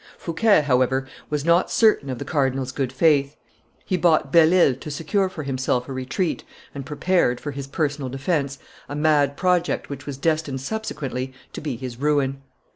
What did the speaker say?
Fouquet, however, was not certain of the cardinal's good faith; he bought Belle Ile to secure for himself a retreat, and prepared, for his personal defence, a mad project which was destined subsequently to be his ruin.